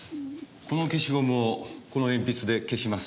この消しゴムをこの鉛筆で消します。